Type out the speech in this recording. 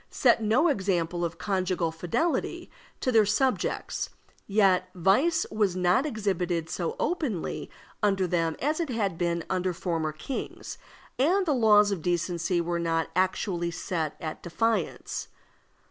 set no example of conjugal fidelity to their subjects, yet vice was not exhibited so openly under them as it had been under former kings, and the laws of decency were not actually set at defiance.